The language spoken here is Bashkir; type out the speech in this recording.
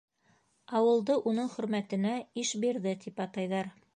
Ауылды уның хөрмәтенә Ишбирҙе тип атайҙар.